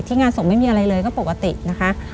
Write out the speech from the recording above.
งานศพไม่มีอะไรเลยก็ปกตินะคะ